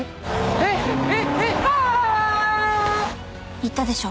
「言ったでしょ？